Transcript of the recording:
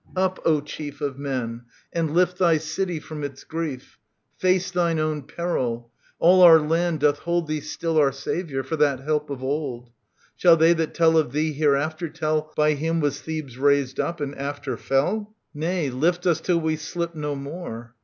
Up, O chief Of men, and lift thy city from its grief ; Face thine own peril ! All our land doth hold Thee still our saviour, for that help of old : Shall they that tell of thee hereafter tell " By him was Thebes raised up, and after fell 1 " Nay, lift us till we slip no more.